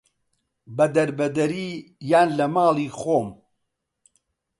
بە دەربەدەری یان لە ماڵی خۆم